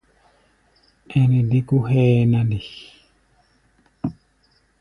Ɛnɛ dé kó hʼɛ́ɛ́ na nde?